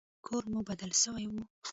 کور مو بدل سوى و.